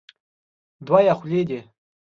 دوه یې خولې دي.